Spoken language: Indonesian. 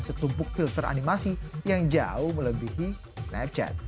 setumpuk filter animasi yang jauh melebihi nature